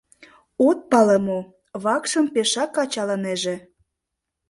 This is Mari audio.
От пале мо: вакшым пешак ачалынеже!..